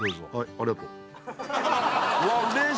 ありがとう